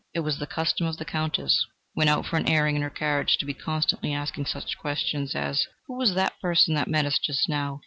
It was the custom of the Countess, when out for an airing in her carriage, to be constantly asking such questions as: "Who was that person that met us just now?